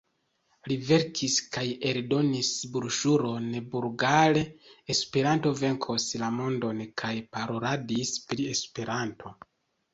Li verkis kaj eldonis broŝuron bulgare: "Esperanto venkos la mondon" kaj paroladis pri Esperanto.